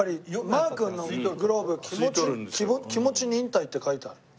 マー君のグローブ「気持ち忍耐」って書いてある。